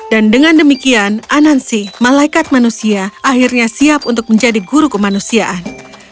dan dengan demikian anansi malaikat manusia akhirnya siap untuk menjadi guru kemanusiaan